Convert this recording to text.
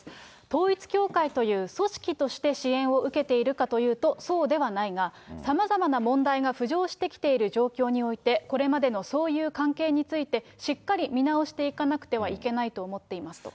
統一教会という組織として支援を受けているかというと、そうではないが、さまざまな問題が浮上してきている状況において、これまでのそういう関係について、しっかり見直していかなくてはいけないと思っていますと。